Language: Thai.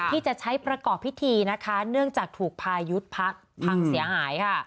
ที่จะใช้ประกอบพิธีนะคะเนื่องจากถูกพายุพัดพังเสียหายค่ะ